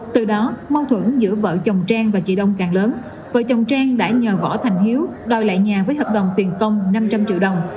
từ đó mâu thuẫn giữa vợ chồng trang và chị đông càng lớn vợ chồng trang đã nhờ võ thành hiếu đòi lại nhà với hợp đồng tiền công năm trăm linh triệu đồng